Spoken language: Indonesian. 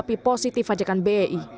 tapi positif ajakan bei